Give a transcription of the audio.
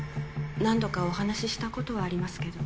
何度かお話ししたことはありますけど。